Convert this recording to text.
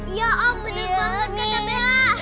iya om bener banget kata bella